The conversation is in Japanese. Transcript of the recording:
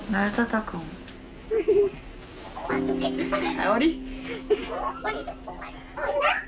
はい降り。